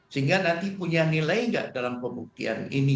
sehingga nanti punya nilai nggak dalam pembuktian ini